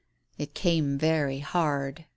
It came very hard !